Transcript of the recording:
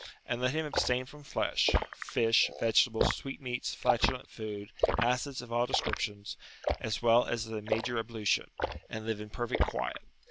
And let him abstain from flesh, fish, vegetables, sweetmeats, flatulent food, acids of all descriptions, as well as the major ablution, and live in perfect quiet.